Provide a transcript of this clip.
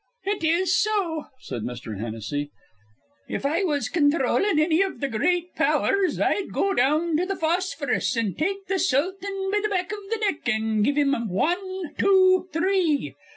"It 'tis so," said Mr. Hennessy. "If I was conthrollin' anny iv the gr reat powers, I'd go down to th' Phosphorus an' take th' sultan be th' back iv th' neck an' give him wan, two, three.